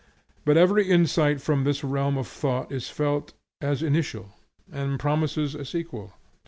But every insight from this realm of thought is felt as initial, and promises a sequel.